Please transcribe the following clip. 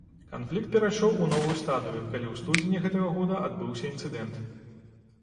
Канфлікт перайшоў у новую стадыю, калі ў студзені гэтага года адбыўся інцыдэнт.